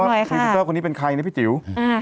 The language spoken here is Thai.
วิทย์ครูตเตอกลอนี้เป็นใครนะคุณพี่จิ๋ว